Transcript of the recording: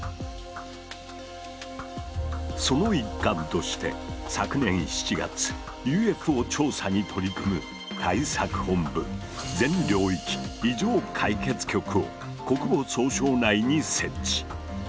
その一環として昨年７月ＵＦＯ調査に取り組む対策本部「全領域異常解決局」を国防総省内に設置。